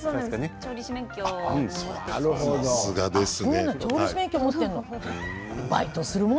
調理師免許も持ってるの？